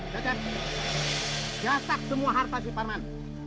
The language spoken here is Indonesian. cecep jasak semua harta siparman